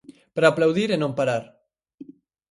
Para aplaudir e non parar.